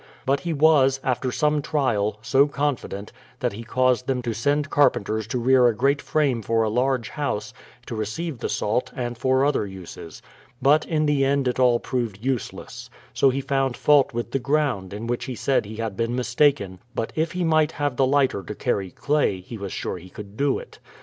But he was, after some trial, so confident, that he caused them to send carpenters to rear a great frame for a large house, to receive the salt, and for other uses. But in the end it 144 BRADFORD'S HIST0RY:0P all proved useless. So he found fault with the ground, in which he said he had been mistaken; but if he might have the lighter to carry clay, he was sure he could do it.